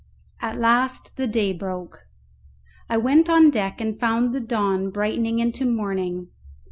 At last the day broke; I went on deck and found the dawn brightening into morning.